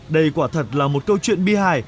đây quả thật là một câu chuyện bi hài